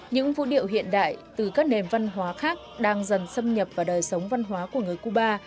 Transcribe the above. những vũ điệu hiện đại từ các nền văn hóa khác đang dần xâm nhập vào đời sống văn hóa của người cuba